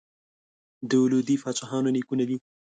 د لودي پاچاهانو نیکونه دي.